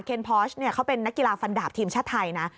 พอชเขาเป็นนักกีฬาฟันดาบทีมชาติไทยนะ